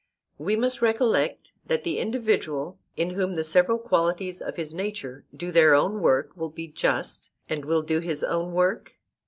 We must recollect that the individual in whom the several qualities of his nature do their own work will be just, and will do his own work?